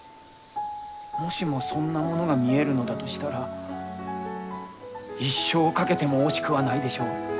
もしもそんなものが見えるのだとしたら一生を懸けても惜しくはないでしょう。